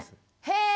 へえ！